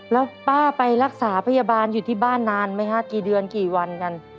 แล้วป้าไปรักษาพยาบาลอยู่ที่บ้านนานไหมฮะกี่เดือนกี่วันกัน